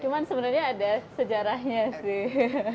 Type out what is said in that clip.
cuman sebenarnya ada sejarahnya sih